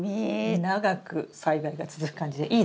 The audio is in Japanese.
長く栽培が続く感じでいいですね。